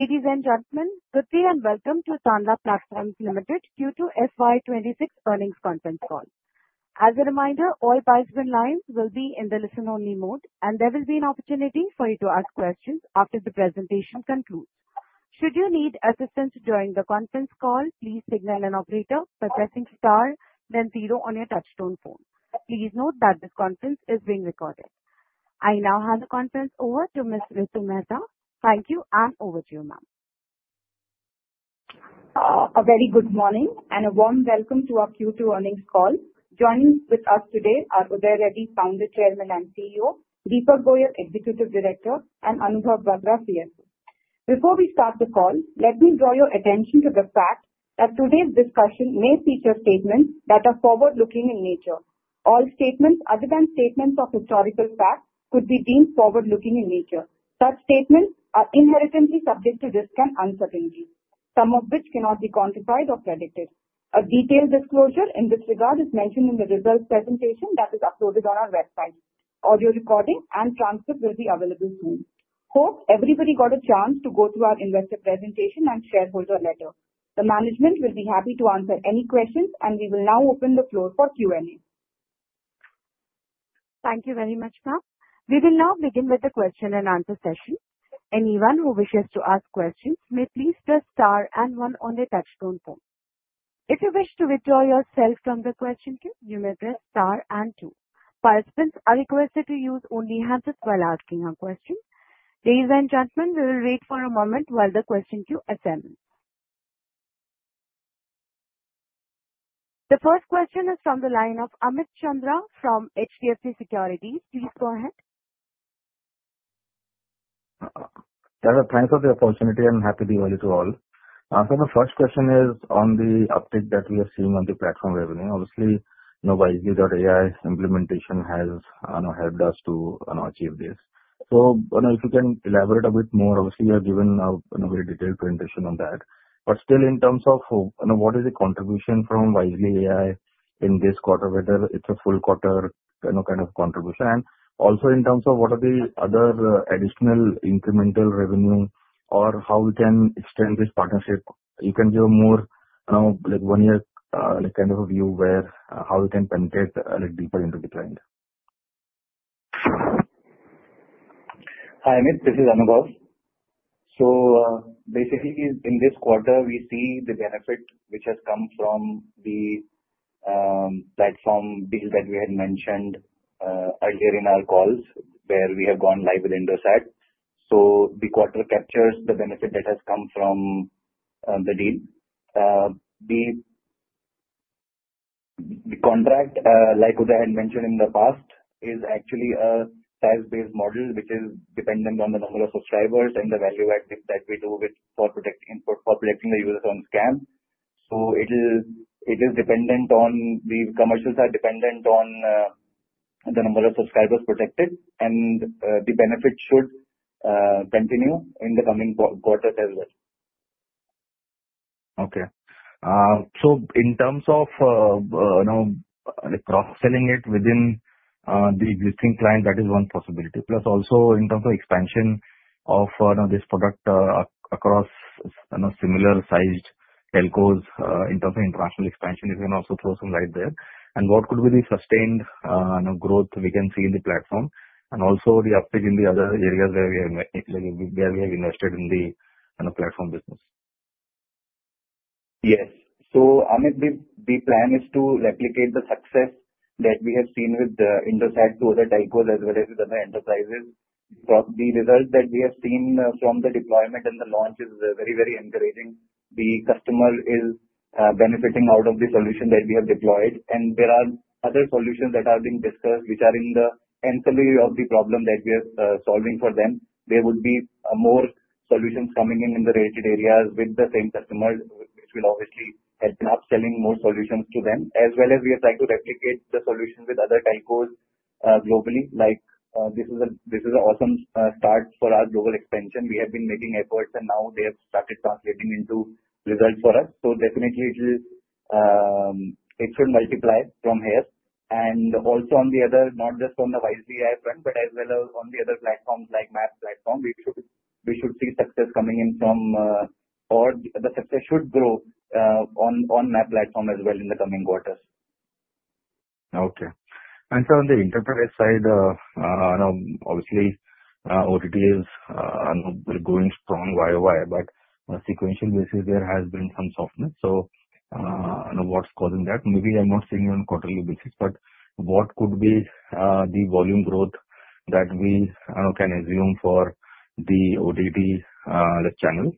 Ladies and gentlemen, good day and welcome to Tanla Platforms Limited Q2 FY 2026 earnings conference call. As a reminder, all participant lines will be in the listen-only mode, and there will be an opportunity for you to ask questions after the presentation concludes. Should you need assistance during the conference call, please signal an operator by pressing star, then zero on your touch-tone phone. Please note that this conference is being recorded. I now hand the conference over to Ms. Ritu Mehta. Thank you, and over to you, ma'am. A very good morning and a warm welcome to our Q2 earnings call. Joining with us today are Uday Reddy, Founder, Chairman, and CEO, Deepak Goyal, Executive Director, and Anubhav Batra, CFO. Before we start the call, let me draw your attention to the fact that today's discussion may feature statements that are forward-looking in nature. All statements, other than statements of historical facts, could be deemed forward-looking in nature. Such statements are inherently subject to risk and uncertainty, some of which cannot be quantified or predicted. A detailed disclosure in this regard is mentioned in the results presentation that is uploaded on our website. Audio recording and transcript will be available soon. Hope everybody got a chance to go through our investor presentation and shareholder letter. The management will be happy to answer any questions, and we will now open the floor for Q&A. Thank you very much, ma'am. We will now begin with the question-and-answer session. Anyone who wishes to ask questions may please press star and one on the touch-tone phone. If you wish to withdraw yourself from the question queue, you may press star and two. Participants are requested to use only the handset while asking a question. Ladies and gentlemen, we will wait for a moment while the question queue assembles. The first question is from the line of Amit Chandra from HDFC Securities. Please go ahead. Tanla, thanks for the opportunity. I'm happy to be available to all. So the first question is on the uptick that we are seeing on the platform revenue. Obviously, Wisely.ai implementation has helped us to achieve this. So if you can elaborate a bit more, obviously you're given a very detailed presentation on that. But still, in terms of what is the contribution from Wisely.ai in this quarter, whether it's a full quarter kind of contribution, and also in terms of what are the other additional incremental revenue or how we can extend this partnership, you can give a more one-year kind of a view where how we can penetrate deeper into the client. Hi, Amit. This is Anubhav. So basically, in this quarter, we see the benefit which has come from the platform deal that we had mentioned earlier in our calls where we have gone live with Indosat. So the quarter captures the benefit that has come from the deal. The contract, like Uday had mentioned in the past, is actually a SaaS-based model which is dependent on the number of subscribers and the value-add that we do for protecting the users from scam. So it is dependent on the commercials are dependent on the number of subscribers protected, and the benefit should continue in the coming quarters as well. Okay. So in terms of cross-selling it within the existing client, that is one possibility. Plus, also in terms of expansion of this product across similar-sized telcos in terms of international expansion, you can also throw some light there. And what could be the sustained growth we can see in the platform and also the update in the other areas where we have invested in the platform business? Yes. So Amit, the plan is to replicate the success that we have seen with Indosat to other telcos as well as with other enterprises. The results that we have seen from the deployment and the launch is very, very encouraging. The customer is benefiting out of the solution that we have deployed. And there are other solutions that are being discussed which are in the ancillary of the problem that we are solving for them. There would be more solutions coming in in the related areas with the same customers, which will obviously help in upselling more solutions to them. As well as we are trying to replicate the solution with other telcos globally. This is an awesome start for our global expansion. We have been making efforts, and now they have started translating into results for us. So definitely, it should multiply from here. And also on the other, not just on the Wisely.ai front, but as well as on the other platforms like MaaP Platform, we should see success coming in from, or the success should grow on MaaP Platform as well in the coming quarters. Okay. And so on the enterprise side, obviously, OTT is are going strong YoY, but on a sequential basis, there has been some softness. So what's causing that? Maybe I'm not seeing it on a quarterly basis, but what could be the volume growth that we can assume for the OTT channel?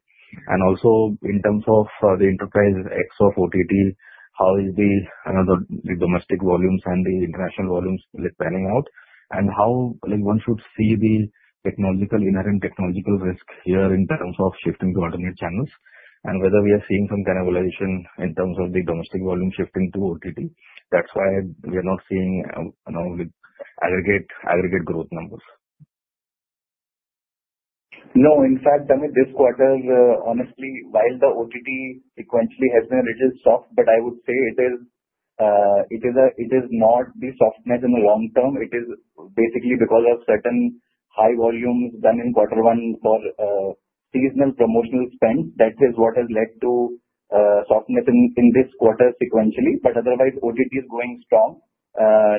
And also in terms of the enterprise mix of OTT, how is the domestic volumes and the international volumes panning out? And how one should see the inherent technological risk here in terms of shifting to alternate channels and whether we are seeing some cannibalization in terms of the domestic volume shifting to OTT? That's why we are not seeing aggregate growth numbers. No, in fact, Amit, this quarter, honestly, while the OTT sequentially has been a little soft, but I would say it is not the softness in the long term. It is basically because of certain high volumes done in quarter one for seasonal promotional spend. That is what has led to softness in this quarter sequentially, but otherwise, OTT is going strong.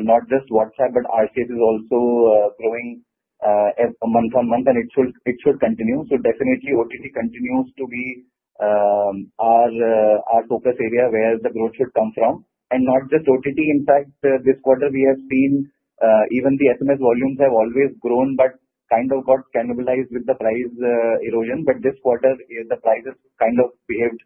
Not just WhatsApp, but RCS is also growing month-onmonth, and it should continue, so definitely, OTT continues to be our focus area where the growth should come from, and not just OTT. In fact, this quarter, we have seen even the SMS volumes have always grown but kind of got cannibalized with the price erosion, but this quarter, the price has kind of behaved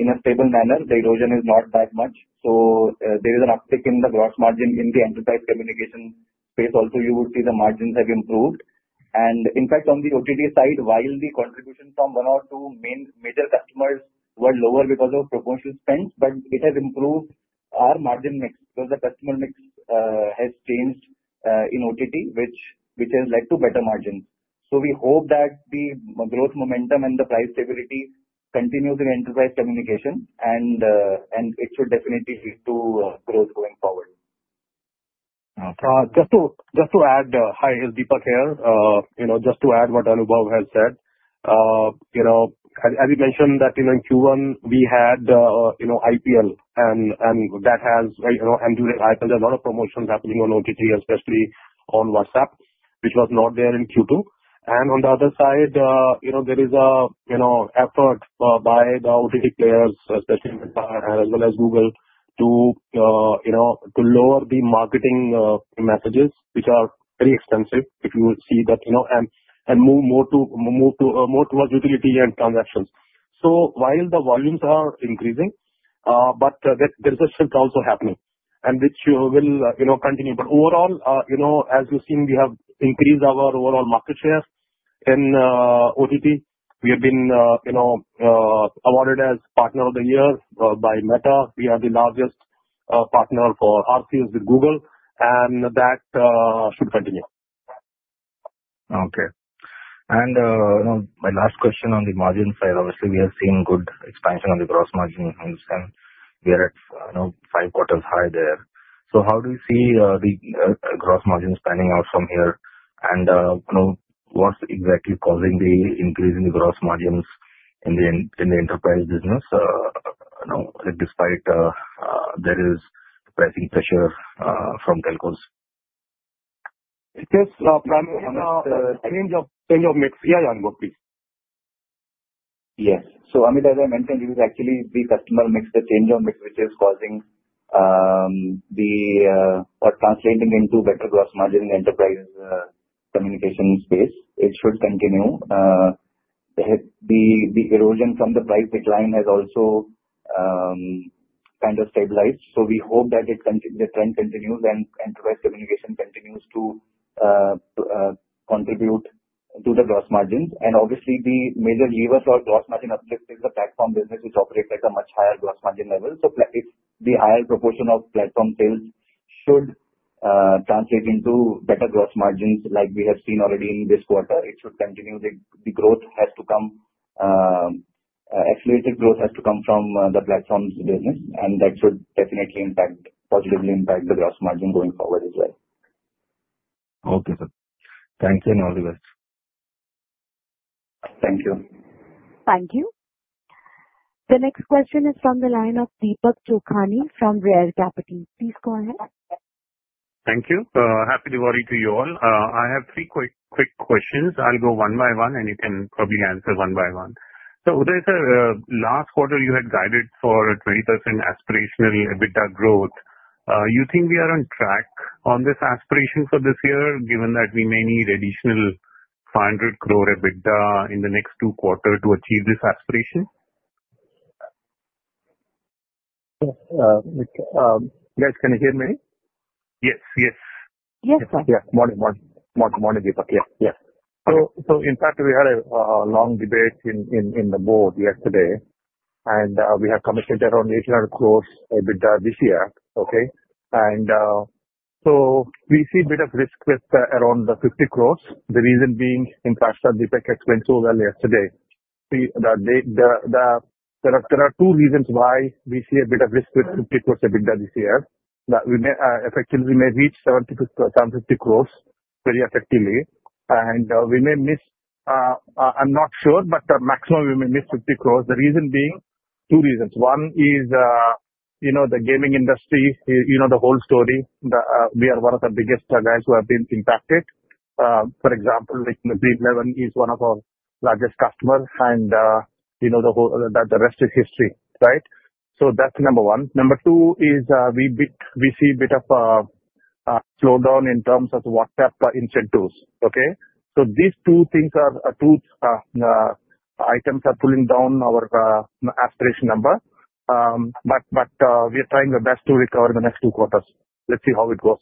in a stable manner. The erosion is not that much. So there is an uptick in the gross margin in the enterprise communication space. Also, you would see the margins have improved. And in fact, on the OTT side, while the contribution from one or two major customers were lower because of promotional spend, it has improved our margin mix because the customer mix has changed in OTT, which has led to better margins. So we hope that the growth momentum and the price stability continues in enterprise communication, and it should definitely lead to growth going forward. Okay. Just to add. Hi, Deepak here. Just to add what Anubhav has said, as you mentioned that in Q1, we had IPL, and that has ended. There are a lot of promotions happening on OTT, especially on WhatsApp, which was not there in Q2. And on the other side, there is an effort by the OTT players, especially as well as Google, to lower the marketing messages, which are very expensive, if you see that, and move more towards utility and transactions. So while the volumes are increasing, but there's a shift also happening, and which will continue. But overall, as you've seen, we have increased our overall market share in OTT. We have been awarded as Partner of the Year by Meta. We are the largest partner for RCS with Google, and that should continue. Okay. And my last question on the margin side, obviously, we have seen good expansion on the gross margin, and we are at five quarters high there. So how do you see the gross margin panning out from here? And what's exactly causing the increase in the gross margins in the enterprise business despite there is pricing pressure from telcos? Anubhav, please. Yes. So Amit, as I mentioned, it is actually the customer mix that changed our mix, which is causing, or translating into better gross margin in the enterprise communication space. It should continue. The erosion from the price decline has also kind of stabilized. So we hope that the trend continues and enterprise communication continues to contribute to the gross margins. And obviously, the major levers for gross margin uplift is the platform business, which operates at a much higher gross margin level. So the higher proportion of platform sales should translate into better gross margins, like we have seen already in this quarter. It should continue. The growth has to come. Accelerated growth has to come from the platforms' business, and that should definitely positively impact the gross margin going forward as well. Okay, sir. Thank you and all the best. Thank you. Thank you. The next question is from the line of Deepak Chokhani from Rade Capital. Please go ahead. Thank you. Happy Diwali to you all. I have three quick questions. I'll go one by one, and you can probably answer one by one. So Uday, in last quarter, you had guided for a 20% aspirational EBITDA growth. You think we are on track on this aspiration for this year, given that we may need additional 500 crore EBITDA in the next two quarters to achieve this aspiration? Yes. Yes. Can you hear me? Yes. Yes. Yes, sir. Yeah. Morning. Morning, Deepak. Yes. Yes. So in fact, we had a long debate in the board yesterday, and we have committed around 800 crores EBITDA this year. Okay? And so we see a bit of risk with around the 50 crores. The reason being, in fact, as Deepak explained so well yesterday, there are two reasons why we see a bit of risk with 50 crores EBITDA this year. Effectively, we may reach 750 crores very effectively, and we may miss, I'm not sure, but maximum we may miss 50 crores. The reason being two reasons. One is the gaming industry, the whole story. We are one of the biggest guys who have been impacted. For example, Dream11 is one of our largest customers, and the rest is history, right? So that's number one. Number two is we see a bit of a slowdown in terms of WhatsApp incentives. Okay? So these two things are two items that are pulling down our aspiration number, but we are trying the best to recover in the next two quarters. Let's see how it goes.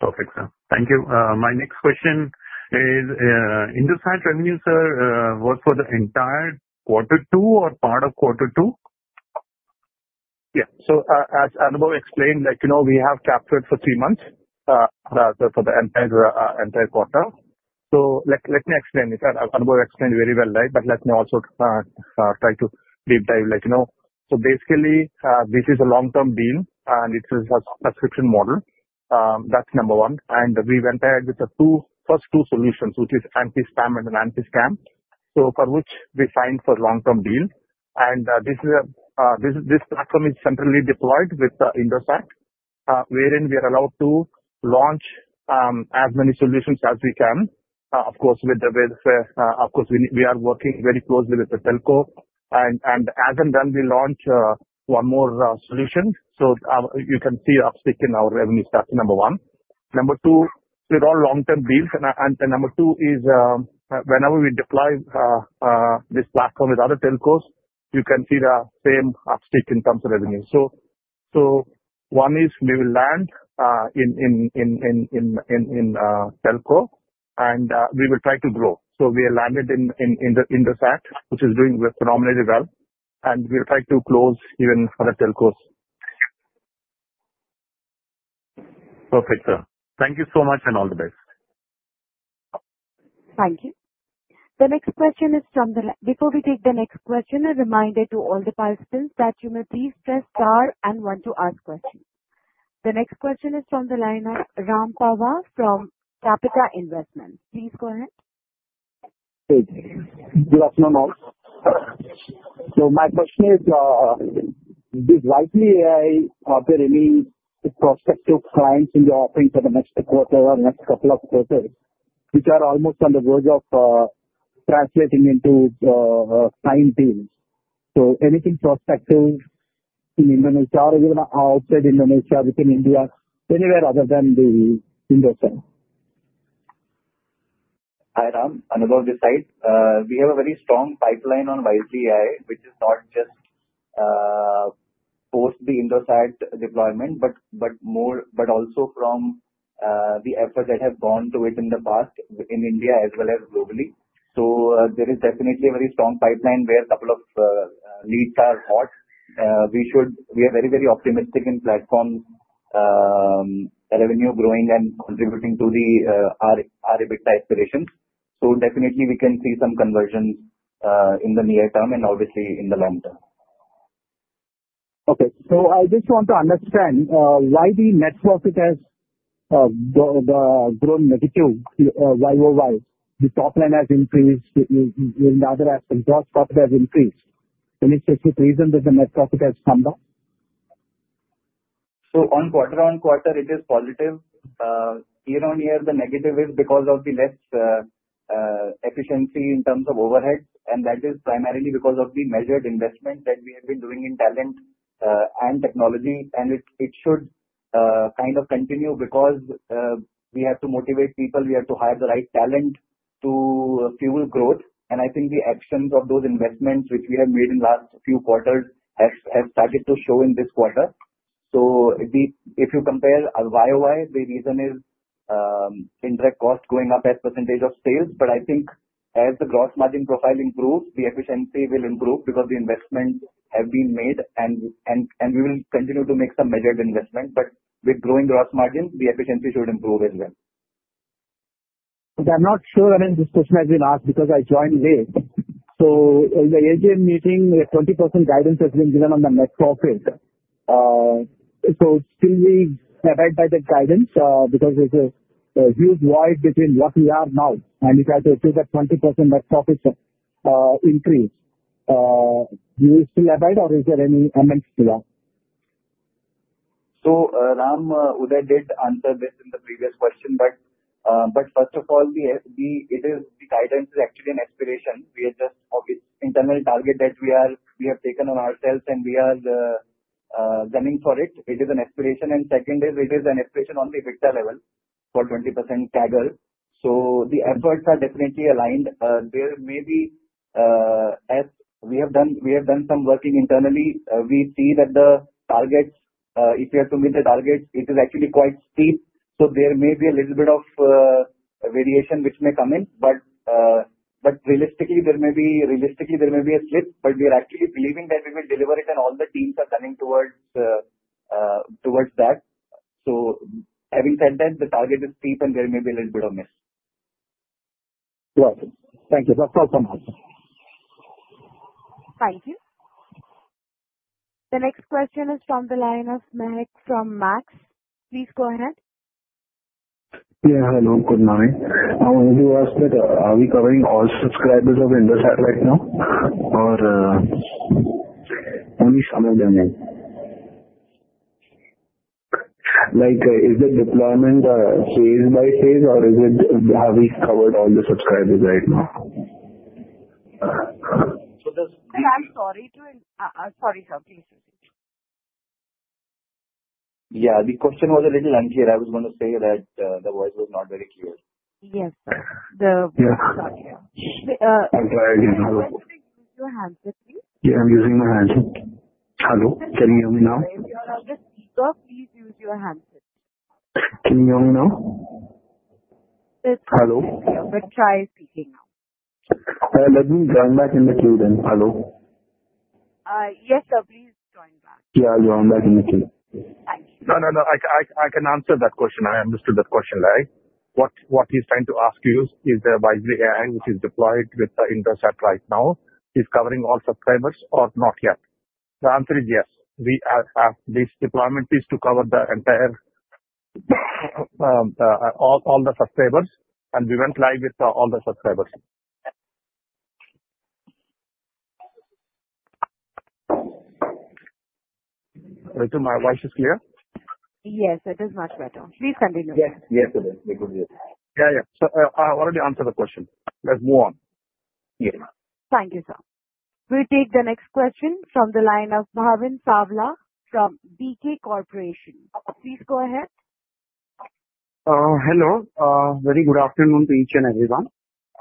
Perfect, sir. Thank you. My next question is, Indosat revenue, sir, was for the entire quarter two or part of quarter two? Yeah. So as Anubhav explained, we have captured for three months for the entire quarter. So let me explain. Anubhav explained very well, right? But let me also try to deep dive. So basically, this is a long-term deal, and it's a subscription model. That's number one. And we went ahead with the first two solutions, which are anti-spam and anti-scam. So for which we signed for a long-term deal. And this platform is centrally deployed with Indosat, wherein we are allowed to launch as many solutions as we can, of course. Of course, we are working very closely with the telco. And then, we launch one more solution. So you can see the uptick in our revenue stats. Number one. Number two, we're all long-term deals. And number two is whenever we deploy this platform with other telcos, you can see the same upstick in terms of revenue. So one is we will land in telco, and we will try to grow. So we are landed in Indosat, which is doing phenomenally well, and we'll try to close even other telcos. Perfect, sir. Thank you so much and all the best. Thank you. Before we take the next question, a reminder to all the participants that you may please press star one to ask questions. The next question is from the line of Ram Tava from Capita Investments. Please go ahead. Good afternoon, all. So my question is, does Wisely.ai remain prospective clients in your offering for the next quarter or next couple of quarters, which are almost on the verge of translating into signed deals? So anything prospective in Indonesia or even outside Indonesia, within India, anywhere other than the Indosat? Hi, Ram. Anubhav is aside. We have a very strong pipeline on Wisely.ai, which is not just post the Indosat deployment, but also from the efforts that have gone to it in the past in India as well as globally. So there is definitely a very strong pipeline where a couple of leads are hot. We are very, very optimistic in platform revenue growing and contributing to the EBITDA aspirations. So definitely, we can see some conversions in the near term and obviously in the long term. Okay. So I just want to understand why the net profit has grown negative YoY. The top line has increased. In other aspects, gross profit has increased. Any specific reason that the net profit has come down? So on quarter-on-quarter, it is positive. Year on year, the negative is because of the less efficiency in terms of overhead, and that is primarily because of the measured investment that we have been doing in talent and technology. And it should kind of continue because we have to motivate people. We have to hire the right talent to fuel growth. And I think the actions of those investments, which we have made in the last few quarters, have started to show in this quarter. So if you compare YoY, the reason is indirect cost going up as percentage of sales. But I think as the gross margin profile improves, the efficiency will improve because the investments have been made, and we will continue to make some measured investment. But with growing gross margin, the efficiency should improve as well. I'm not sure whether this question has been asked because I joined late. So in the AGM meeting, a 20% guidance has been given on the net profit. So still, we abide by the guidance because there's a huge void between what we are now. And if I say, "Should that 20% net profit increase." Do you still abide, or is there any amendment to that? So Ram, Uday did answer this in the previous question. But first of all, the guidance is actually an aspiration. We are just off its internal target that we have taken on ourselves, and we are running for it. It is an aspiration. And second is, it is an aspiration on the EBITDA level for 20% CAGR. So the efforts are definitely aligned. There may be, as we have done some work internally, we see that the targets, if you have to meet the targets, it is actually quite steep. So there may be a little bit of variation which may come in. But realistically, there may be a slip, but we are actually believing that we will deliver it, and all the teams are coming towards that. So having said that, the target is steep, and there may be a little bit of miss. Right. Thank you. That's all from us. Thank you. The next question is from the line of Mahek from Max. Please go ahead. Yeah. Hello. Good morning. I wanted to ask that, are we covering all subscribers of Indosat right now, or only some of them? Is the deployment phase by phase, or have we covered all the subscribers right now? Sorry, sir. Please proceed. Yeah. The question was a little unclear. I was going to say that the voice was not very clear. Yes, sir. The voice got you. I'm trying to use my handset. Yeah, I'm using my handset. Hello. Can you hear me now? You're on the speaker. Please use your handset. Can you hear me now? Hello. But try speaking now. Let me join back in the queue then. Hello. Yes, sir. Please join back. Yeah, I'll join back in the queue. Thank you. No, no, no. I can answer that question. I understood that question, right? What he's trying to ask you is, is the Wisely.ai, which is deployed with Indosat right now, is covering all subscribers or not yet? The answer is yes. This deployment is to cover all the subscribers, and we went live with all the subscribers. Ritu, my voice is clear? Yes, it is much better. Please continue. Yes. Yes, it is. We could hear you. Yeah, yeah. So I already answered the question. Let's move on. Yes. Thank you, sir. We'll take the next question from the line of Bhavin Salva from BK Corporation. Please go ahead. Hello. Very good afternoon to each and everyone.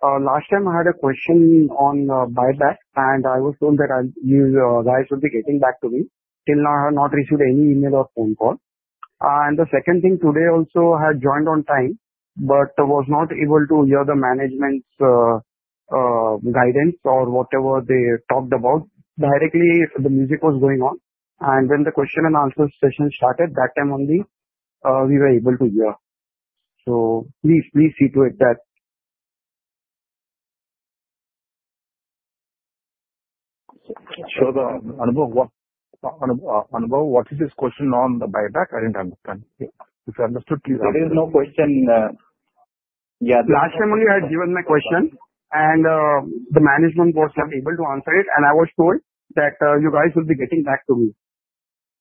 Last time, I had a question on buyback, and I was told that you guys would be getting back to me. Till now, I have not received any email or phone call. And the second thing, today also I had joined on time, but I was not able to hear the management's guidance or whatever they talked about. Directly, the music was going on. And when the question-and-answer session started, that time only, we were able to hear. So please, please see to it that. Sure. Anubhav, what is this question on the buyback? I didn't understand. If you understood, please answer. There is no question. Yeah. Last time only I had given my question, and the management was not able to answer it, and I was told that you guys would be getting back to me.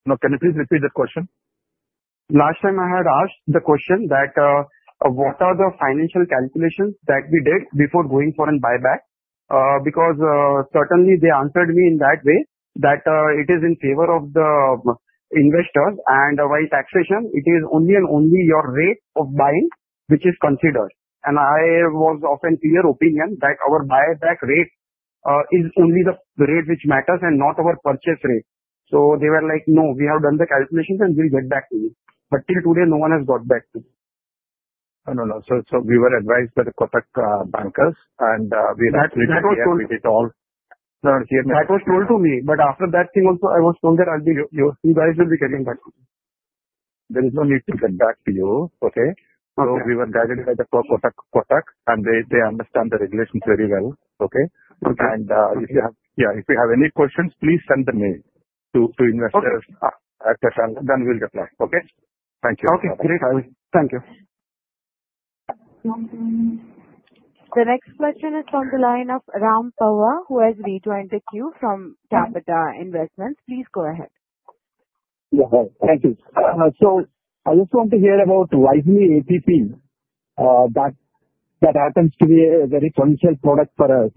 Now, can you please repeat that question? Last time, I had asked the question that what are the financial calculations that we did before going for a buyback? Because certainly, they answered me in that way that it is in favor of the investors, and while taxation, it is only and only your rate of buying which is considered. And I was offering a clear opinion that our buyback rate is only the rate which matters and not our purchase rate. So they were like, "No, we have done the calculations, and we'll get back to you." But till today, no one has got back to me. No, no, no. So we were advised by the Kotak bankers, and we were told to repeat it all. That was told to me. But after that thing also, I was told that you guys will be getting back to me. There is no need to get back to you. Okay? So we were guided by the Kotak, and they understand the regulations very well. Okay? And if you have any questions, please send them to investors at the channel. Then we'll reply. Okay? Thank you. Okay. Great. Thank you. The next question is from the line of Ram Tava, who has rejoined the queue from Capita Investments. Please go ahead. Yeah. Thank you, so I just want to hear about Wisely ATP that happens to be a very potential product for us,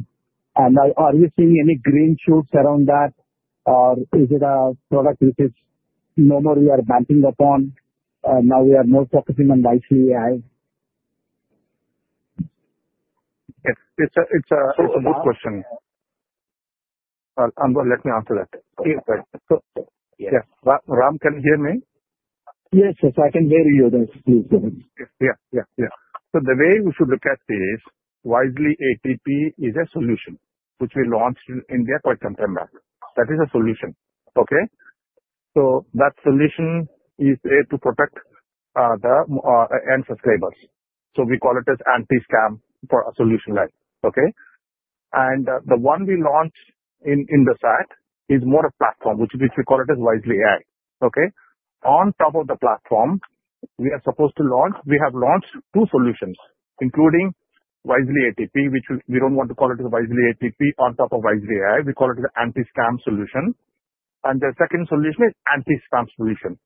and are you seeing any green shoots around that, or is it a product which is no more we are banking upon? Now we are more focusing on Wisely.ai? It's a good question. Anubhav, let me answer that. Yes. Yes. Ram, can you hear me? Yes, sir, so I can hear you. Please go ahead. Yeah, yeah, yeah. So the way we should look at this, Wisely ATP is a solution which we launched in India quite some time back. That is a solution. Okay? So that solution is there to protect the end subscribers. So we call it as anti-scam for a solution like that. Okay? And the one we launched in Indosat is more a platform, which we call it as Wisely.ai. Okay? On top of the platform, we are supposed to launch, we have launched two solutions, including Wisely ATP, which we don't want to call it as Wisely ATP on top of Wisely.ai. We call it the anti-scam solution. And the second solution is anti-scam solution.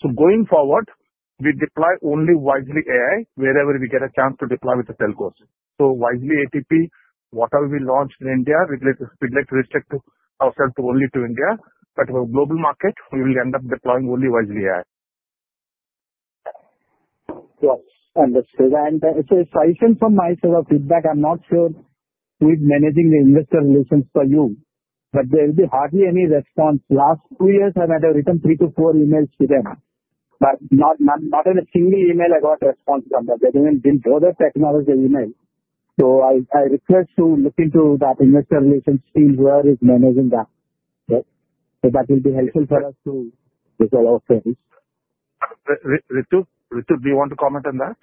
So going forward, we deploy only Wisely.ai wherever we get a chance to deploy with the telcos. So Wisely ATP, whatever we launch in India, we'd like to restrict ourselves only to India. But for the global market, we will end up deploying only Wisely.ai. Yes. Understood, and so it's a question from my sort of feedback. I'm not sure with managing the Investor Relations for you, but there will be hardly any response. Last two years, I might have written three to four emails to them, but not in a single email I got a response from them. They didn't bother to acknowledge the email, so I request to look into that investor relations team, whoever is managing that, so that will be helpful for us to resolve our queries. Ritu, do you want to comment on that?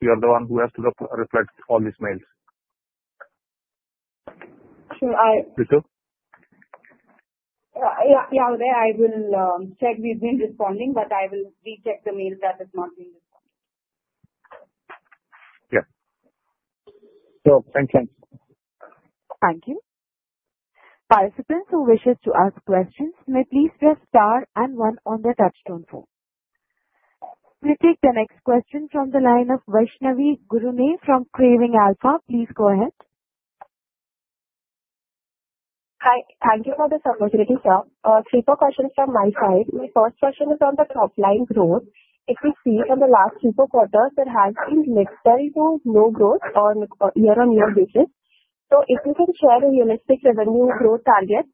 You are the one who has to reflect all these mails. Sure. Ritu? Yeah, yeah, there, I will check. We've been responding, but I will recheck the mail that has not been responded. Yeah. So thanks. Thanks. Thank you. Participants who wishes to ask questions may please press star and one on the touch-tone phone. We'll take the next question from the line of Vaishnavi Gurung from Craving Alpha. Please go ahead. Hi. Thank you for this opportunity, sir. Three or four questions from my side. My first question is on the top line growth. If we see from the last three or four quarters, there has been little to no growth on a year-on-year basis. So if you can share a realistic revenue growth target?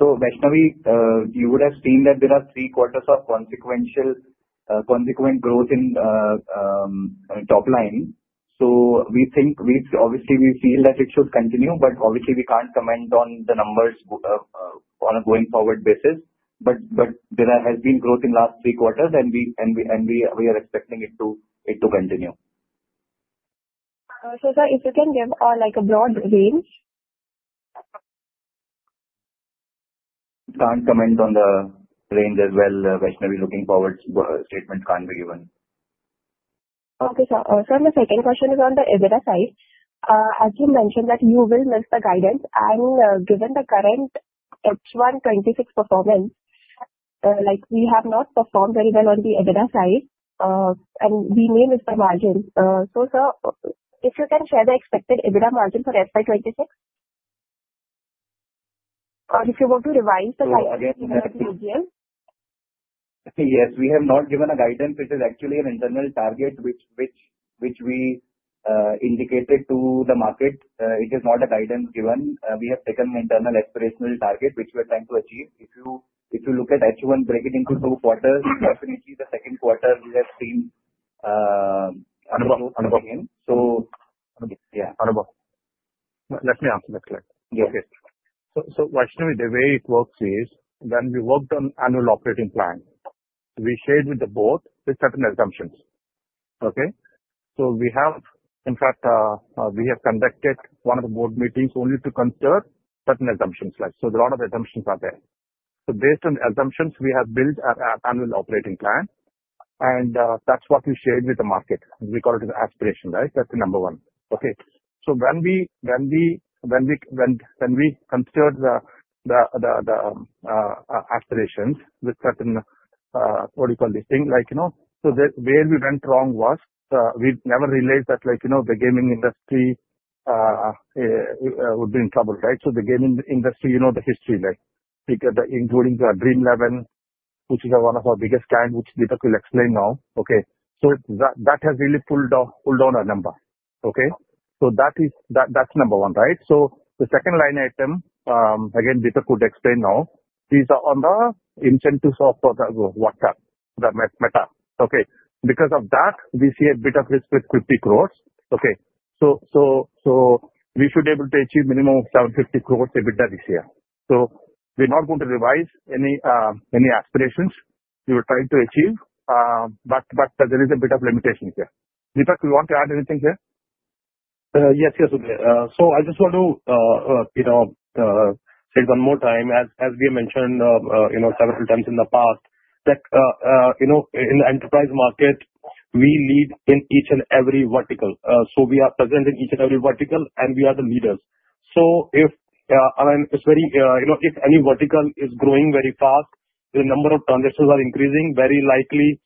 So, Vaishnavi, you would have seen that there are three quarters of consecutive growth in top line. So we think obviously we feel that it should continue, but obviously we can't comment on the numbers on a going forward basis. But there has been growth in the last three quarters, and we are expecting it to continue. So sir, if you can give a broad range? Can't comment on the range as well. Vaishnavi, looking forward, statement can't be given. Okay, sir. So the second question is on the EBITDA side. As you mentioned that you will miss the guidance and given the current H126 performance, we have not performed very well on the EBITDA side, and we may miss the margin. So sir, if you can share the expected EBITDA margin for FY 2026, or if you want to revise the guidance, that would be ideal. Yes. We have not given a guidance. It is actually an internal target which we indicated to the market. It is not a guidance given. We have taken an internal aspirational target which we are trying to achieve. If you look at H1, break it into two quarters, definitely the second quarter we have seen another gain. So. Anubhav, let me answer that correctly. Yes. Okay. So Vaishnavi, the way it works is, when we worked on the annual operating plan, we shared with the board with certain assumptions. Okay? So we have, in fact, we have conducted one of the board meetings only to consider certain assumptions. So a lot of assumptions are there. So based on the assumptions, we have built an annual operating plan, and that's what we shared with the market. We call it as aspiration, right? That's the number one. Okay? So when we considered the aspirations with certain, what do you call this thing? So where we went wrong was we never realized that the gaming industry would be in trouble, right? So the gaming industry, you know the history, including Dream11, which is one of our biggest clients, which Deepak will explain now. Okay? So that has really pulled down a number. Okay? So that's number one, right? So the second line item, again, Deepak would explain now, is on the incentives of WhatsApp, Meta, okay? Because of that, we see a bit of risk with 50 crores, okay? So we should be able to achieve a minimum of 750 crores EBITDA this year. So we're not going to revise any aspirations we were trying to achieve, but there is a bit of limitation here. Deepak, do you want to add anything here? Yes, yes, okay. So I just want to say one more time, as we have mentioned several times in the past, that in the enterprise market, we lead in each and every vertical. So we are present in each and every vertical, and we are the leaders. So if any vertical is growing very fast, the number of transactions are increasing, very likely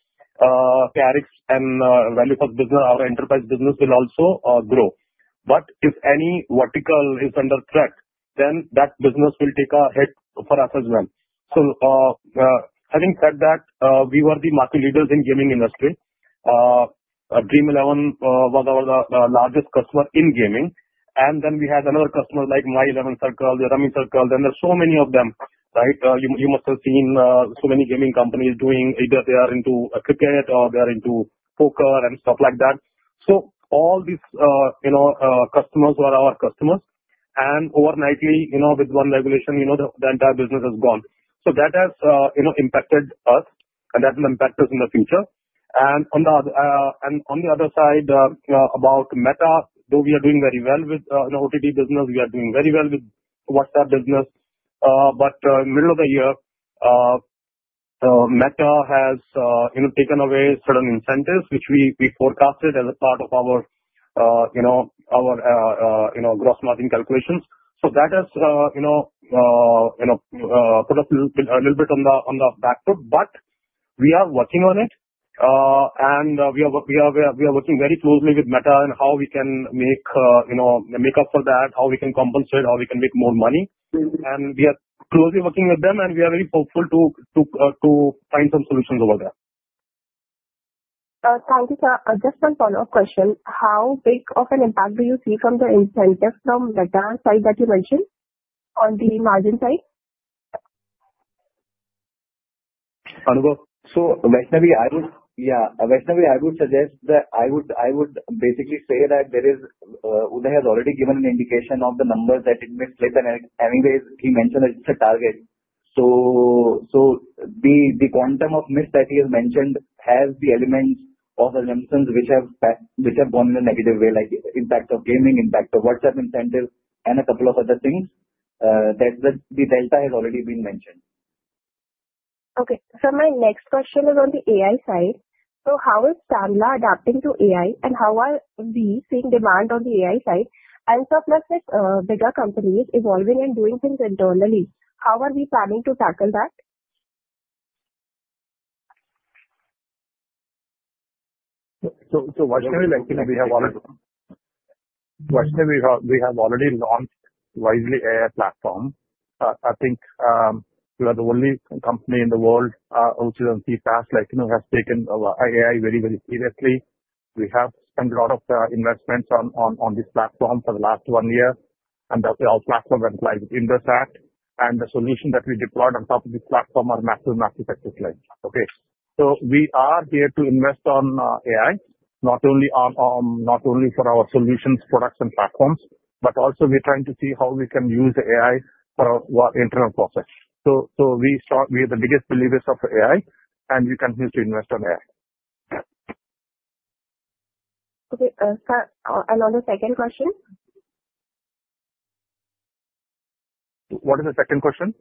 tarrifs and ValueFirst business, our enterprise business will also grow. But if any vertical is under threat, then that business will take a hit for us as well. So having said that, we were the market leaders in the gaming industry. Dream11 was our largest customer in gaming. And then we had another customer like My11Circle, the RummyCircle, and there are so many of them, right? You must have seen so many gaming companies doing either they are into cricket or they are into poker and stuff like that. So all these customers were our customers. And overnightly, with one regulation, the entire business has gone. So that has impacted us, and that will impact us in the future. And on the other side, about Meta, though we are doing very well with the OTT business, we are doing very well with WhatsApp business. But in the middle of the year, Meta has taken away certain incentives, which we forecasted as a part of our gross margin calculations. So that has put us a little bit on the back foot, but we are working on it. And we are working very closely with Meta and how we can make up for that, how we can compensate, how we can make more money. And we are closely working with them, and we are very hopeful to find some solutions over there. Thank you, sir. Just one follow-up question. How big of an impact do you see from the incentive from Meta side that you mentioned on the margin side? Anubhav. So Vaishnavi, I would suggest that I would basically say that Uday has already given an indication of the numbers that it may slip, and anyways, he mentioned that it's a target. So the quantum of miss that he has mentioned has the elements of assumptions which have gone in a negative way, like the impact of gaming, impact of WhatsApp incentives, and a couple of other things. The delta has already been mentioned. Okay. So my next question is on the AI side. So how is Tanla adapting to AI, and how are we seeing demand on the AI side? And versus with bigger companies evolving and doing things internally, how are we planning to tackle that? So Vaishnavi, we have already launched Wisely.ai platform. I think we are the only company in the world which is on CPaaS, has taken AI very, very seriously. We have spent a lot of investments on this platform for the last one year, and our platform is live with Indosat. And the solution that we deployed on top of this platform are massive market expectations. Okay? So we are here to invest on AI, not only for our solutions, products, and platforms, but also we're trying to see how we can use AI for our internal process. So we are the biggest believers of AI, and we continue to invest on AI. Okay. And on the second question? What is the second question?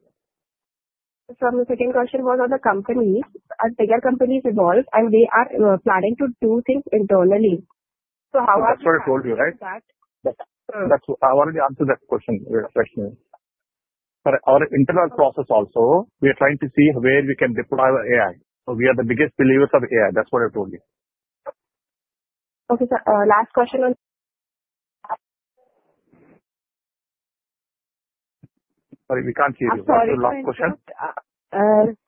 So the second question was on the companies. As bigger companies evolve, and they are planning to do things internally. So how are we going to do that? That's what I told you, right? I already answered that question. Our internal process also, we are trying to see where we can deploy our AI. So we are the biggest believers of AI. That's what I told you. Okay, sir. Last question on. Sorry, we can't hear you. I'm sorry. Last question.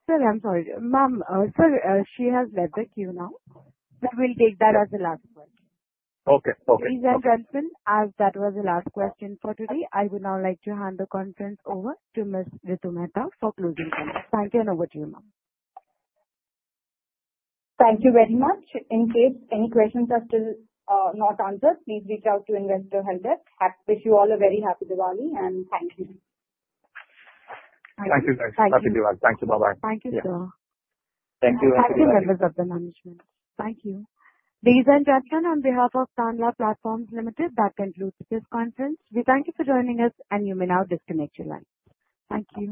Sir, I'm sorry. Ma'am, sir, she has left the queue now. We'll take that as the last question. Okay. Okay. Ladies and gentlemen, as that was the last question for today, I would now like to hand the conference over to Ms. Ritu Mehta for closing comments. Thank you, and over to you, ma'am. Thank you very much. In case any questions are still not answered, please reach out to Investor Help Desk. Wish you all a very happy Diwali, and thank you. Thank you, guys. Happy Diwali. Thank you. Bye-bye. Thank you, sir. Thank you. Thank you, members of the management. Thank you. Ladies and gentlemen, on behalf of Tanla Platforms Limited, that concludes this conference. We thank you for joining us, and you may now disconnect your lines. Thank you.